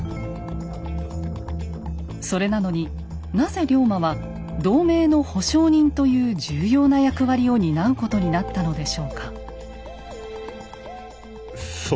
それなのになぜ龍馬は同盟の保証人という重要な役割を担うことになったのでしょうか？